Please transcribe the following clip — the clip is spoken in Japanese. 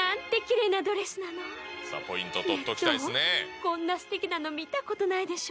こんなすてきなの、見たことないでしょ。